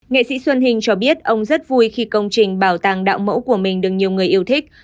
nghệ sĩ xuân hình cho biết ông rất vui khi công trình bảo tàng đạo mẫu của mình được nhiều người yêu thích